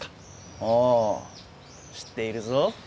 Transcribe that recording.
ああ知っているぞ。